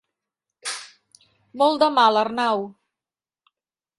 Molt de mal, Arnau.